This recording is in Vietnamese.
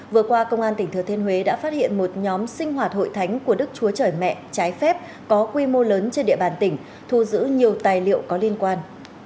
vừa qua công an tỉnh thừa thiên huế đã phát hiện một nhóm sinh hoạt hội thánh của đức chúa trời mẹ trái phép có quy mô lớn trên địa bàn tỉnh thu giữ nhiều tài liệu có liên quan